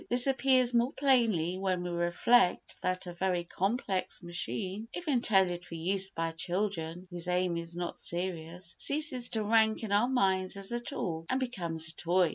This appears more plainly when we reflect that a very complex machine, if intended for use by children whose aim is not serious, ceases to rank in our minds as a tool, and becomes a toy.